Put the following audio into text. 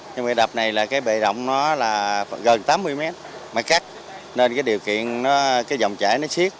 nhưng mà đập này là cái bề rộng nó là gần tám mươi mét mà cắt nên cái điều kiện nó cái dòng chảy nó xiết